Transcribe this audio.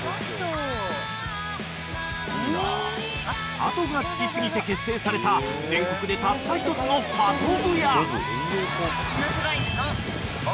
［ハトが好き過ぎて結成された全国でたった一つのハト部や］